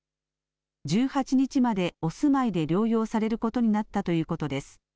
１８日までお住まいで療養されることになったということです。